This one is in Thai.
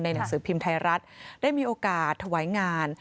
หนังสือพิมพ์ไทยรัฐได้มีโอกาสถวายงาน